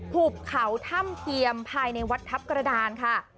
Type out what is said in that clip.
หุบเขาถ้ำเทียมภายในวัดทัพกระดานค่ะ